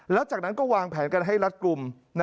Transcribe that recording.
แล้วจากนั้นก็วางแผนกันให้รัดกลุ่ม